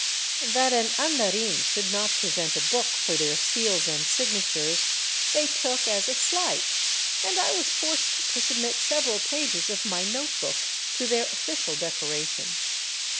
That an andarin should not present a book for their seals and signatures they took as a slight, and I was forced to submit several pages of my note book to their official decoration.